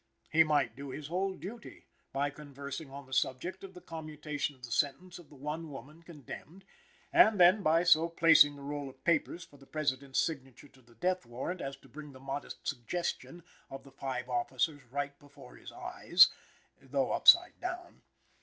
He might do his whole duty, by conversing on the subject of the commutation of the sentence of the one woman condemned, and, then, by so placing the roll of papers for the President's signature to the death warrant as to bring the modest "suggestion" of the five officers "right before his eyes," though upside down.